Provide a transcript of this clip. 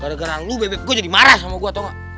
gara gara lu bebeb gue jadi marah sama gue tau ga